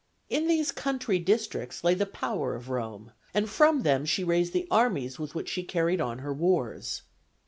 In these country districts lay the power of Rome, and from them she raised the armies with which she carried on her wars.